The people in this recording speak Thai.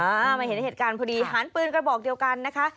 มาเห็นเหตุการณ์พอดีหารปืนกระบอกเดียวกันนะคะ